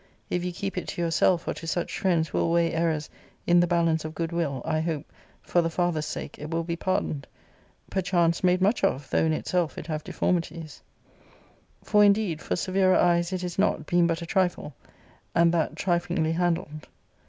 If you keep it to yourself, or to such friends who will weigh errors in^ the balance of goodwill, I hope, for the father's sake, it will be pardoned, perchance made much of, though in itself it have deformities; for, indeed, for severer eyes it is not, being but a trifle, and that triflingly handled.